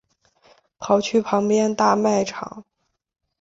跑去旁边大卖场